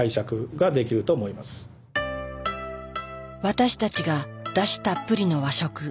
私たちがだしたっぷりの和食